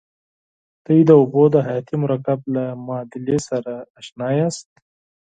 تاسې د اوبو د حیاتي مرکب له معادلې سره آشنا یاست.